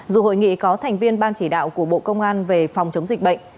dù hội nghị có thành viên ban chỉ đạo của bộ công an về phòng chống dịch bệnh